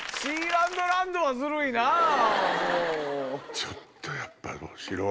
ちょっとやっぱ面白い！